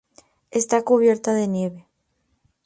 Está cubierta de nieve.